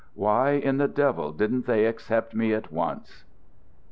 Why in the devil didn't they accept me at once?